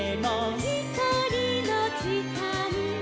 「ひとりのじかんも」